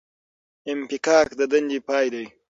انفکاک د دندې پای دی